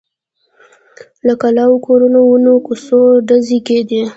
له کلاوو، کورونو، ونو، کوڅو… ډزې کېدې.